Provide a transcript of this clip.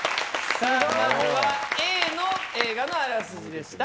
さあまずはＡの映画のあらすじでした。